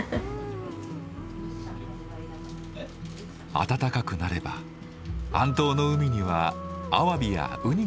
暖かくなれば安島の海にはアワビやウニがあふれます。